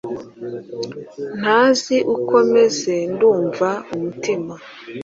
ntazi uko meze ndumva umutima